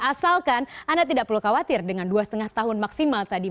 asalkan anda tidak perlu khawatir dengan dua lima tahun maksimal tadi